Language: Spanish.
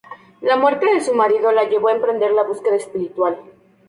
La muerte de su marido la llevó a emprender la búsqueda espiritual.